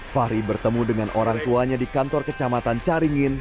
fahri bertemu dengan orang tuanya di kantor kecamatan caringin